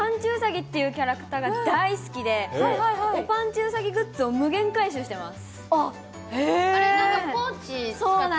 うさぎっていうキャラクターが大好きで、おぱんちゅうさぎグッズを無限回収してます。